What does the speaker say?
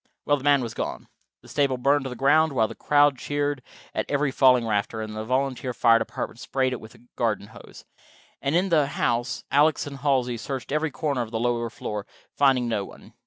Well, the man was gone. The stable burned to the ground, while the crowd cheered at every falling rafter, and the volunteer fire department sprayed it with a garden hose. And in the house Alex and Halsey searched every corner of the lower floor, finding no one.